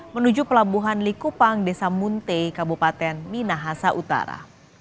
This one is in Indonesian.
menuju pelabuhan likupang desa munte kabupaten minahasa utara